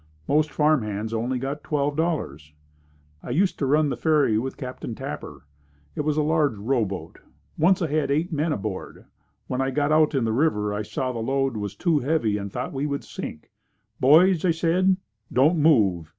Most farm hands only got $12.00. I used to run the ferry with Captain Tapper. It was a large rowboat. Once I had eight men aboard. When I got out in the river, I saw the load was too heavy and thought we would sink. "Boys", I said, "don't move.